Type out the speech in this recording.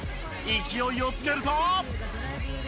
勢いをつけると。